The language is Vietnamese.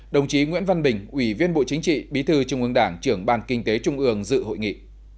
đồng chí nguyễn văn bình ủy viên bộ chính trị bí thư trung ương đảng trưởng ban kinh tế trung ương dự hội nghị